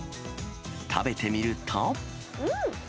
食べてみると。